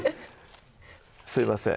すいません